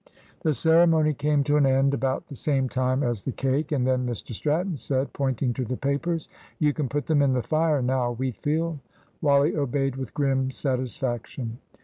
The ceremony came to an end about the same time as the cake, and then Mr Stratton said, pointing to the papers "You can put them in the fire now, Wheatfield." Wally obeyed with grim satisfaction.